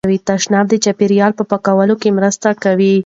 تشناب د چاپیریال په پاکوالي کې مرسته کوي.